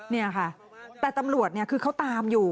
นี่ค่ะแต่ตำรวจเนี่ยคือเขาตามอยู่